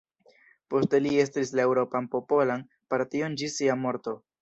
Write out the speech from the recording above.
Poste li estris la Eŭropan Popolan Partion ĝis sia morto.